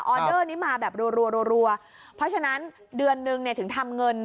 เดอร์นี้มาแบบรัวเพราะฉะนั้นเดือนนึงเนี่ยถึงทำเงิน